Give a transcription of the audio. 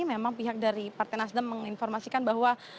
memang pihak dari partai nasdem menginformasikan bahwa